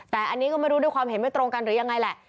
แต่อันนี้ก็ไม่รู้ด้วยความเห็นไม่ตรงกันหรือยังไงแหละ